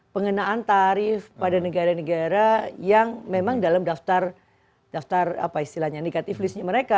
pengenaan tarif pada negara negara yang memang dalam daftar apa istilahnya negatif listnya mereka